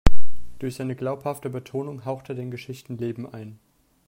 Durch seine glaubhafte Betonung haucht er den Geschichten Leben ein.